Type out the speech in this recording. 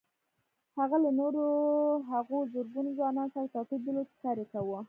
هغه له نورو هغو زرګونه ځوانانو سره توپير درلود چې کار يې کاوه.